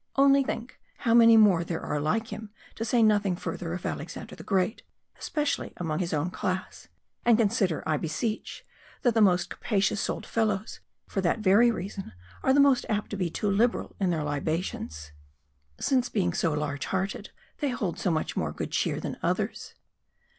Only think, how many more there are like him to say nothing further of 130 MARDI. Alexander the Great especially among his own class ; and consider, I beseech, that the most capacious souled fel lows, for that very reason, are the most apt to he too liberal in their libations ; since, being so large hearted, they hold so much more good cheer than others.